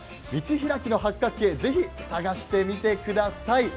ひらきの八角形ぜひ探してみてください。